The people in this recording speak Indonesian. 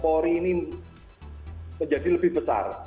polri ini menjadi lebih besar